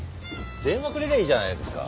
電話くれりゃいいじゃないですか。